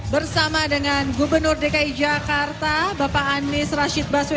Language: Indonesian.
bapak wagup juga sudah di sini